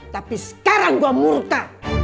tapi sekarang gue murta